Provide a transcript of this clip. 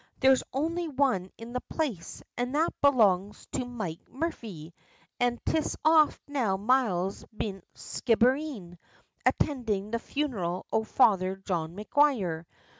"There's only one in the place, an' that belongs to Mike Murphy, an' 'tis off now miles beyant Skibbereen, attindin' the funeral o' Father John Maguire.